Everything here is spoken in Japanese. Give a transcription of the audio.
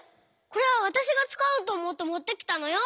これはわたしがつかおうとおもってもってきたのよ！